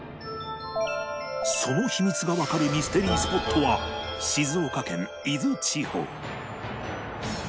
その秘密がわかるミステリースポットは静岡県伊豆地方